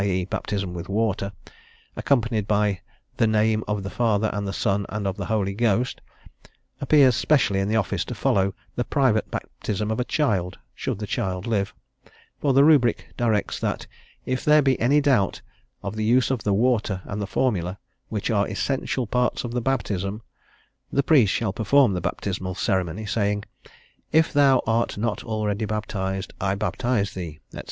e., baptism with water, accompanied by the "name of the Father, and of the Son, and of the Holy Ghost," appears specially in the office to follow the private baptism of a child, should the child live; for the Rubric directs that if there be any doubt of the use of the water and the formula, "which are essential parts of Baptism," the priest shall perform the baptismal ceremony, saying, "If thou art not already baptized, I baptize thee," &c.